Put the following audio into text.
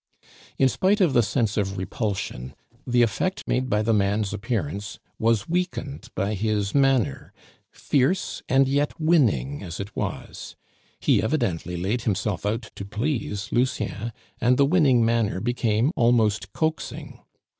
In spite of the sense of repulsion, the effect made by the man's appearance was weakened by his manner, fierce and yet winning as it was; he evidently laid himself out to please Lucien, and the winning manner became almost coaxing.